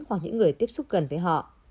hoặc những người tiếp xúc gần với họ